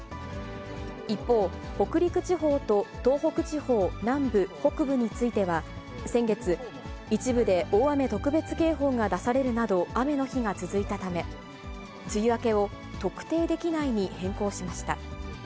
一方、北陸地方と東北地方南部、北部については、先月、一部で大雨特別警報が出されるなど、雨の日が続いたため、梅雨明けを特定できないに変更しました。